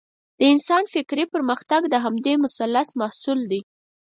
د انسان فکري پرمختګ د همدې مثلث محصول دی.